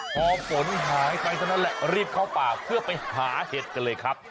พอฝนหายไปเท่านั้นแหละรีบเข้าป่าเพื่อไปหาเห็ดกันเลยครับ